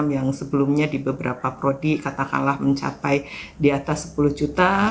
yang sebelumnya di beberapa prodi katakanlah mencapai di atas sepuluh juta